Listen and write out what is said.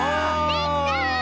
できた！